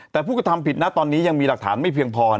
แต่ผู้กระทำผิดนะตอนนี้ยังมีหลักฐานไม่เพียงพอ